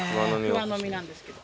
桑の実なんですけど。